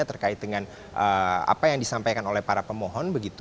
terkait dengan apa yang disampaikan oleh para pemohon